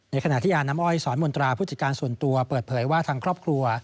ขณะที่อาน้ำอ้อยสอนมนตราผู้จัดการส่วนตัวเปิดเผยว่าทางครอบครัว